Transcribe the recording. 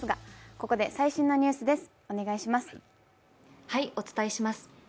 ここで最新のニュースです。